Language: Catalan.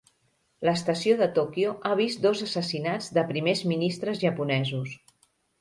L'estació de Tòquio ha vist dos assassinats de primers ministres japonesos.